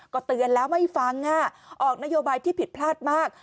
ก็เตือนแล้วไม่ฟังออกนโยบายที่ผิดพลาดมาก